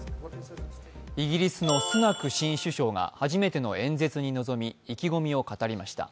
イギリスのスナク新首相が初めての演説に臨み、意気込みを語りました。